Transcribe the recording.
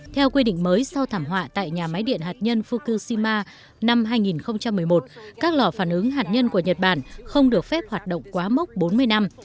theo quy định mới sau thảm họa tại nhà máy điện hạt nhân fukushima năm hai nghìn một mươi một các lò phản ứng hạt nhân của nhật bản không được phép hoạt động quá mốc bốn mươi năm